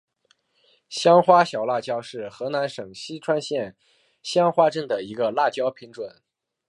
香花小辣椒是河南省淅川县香花镇的一个辣椒品种。